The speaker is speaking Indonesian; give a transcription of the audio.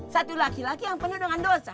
satu laki laki yang penuh dengan dosa